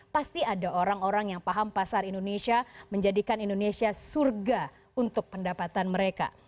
pasti ada orang orang yang paham pasar indonesia menjadikan indonesia surga untuk pendapatan mereka